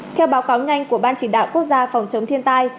theo báo cáo nhanh của ban chỉ đạo quốc gia phòng chống thiên tai